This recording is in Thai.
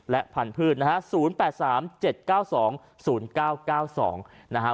และพันธุ์พืชนะฮะศูนย์แปดสามเจ็ดเก้าสองศูนย์เก้าเก้าสองนะฮะ